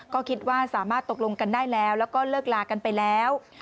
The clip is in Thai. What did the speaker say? ก็คิดว่าสามารถตกลงกันได้แล้วแล้วก็เลิกลากันไปแล้ว